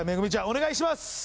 お願いします